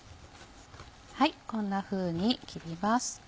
こんなふうに切ります。